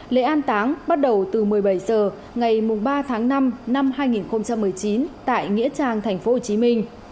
lễ an táng bắt đầu từ một mươi bảy h ngày ba tháng năm năm hai nghìn một mươi chín tại nghĩa trang thành phố hồ chí minh